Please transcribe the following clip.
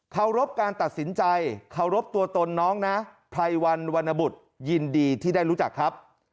เขารบการตัดสินใจเคารพตัวตนน้องนะไพรวันวรรณบุตรยินดีที่ได้รู้จักครับ